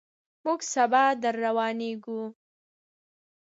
موږ سبا درروانېږو.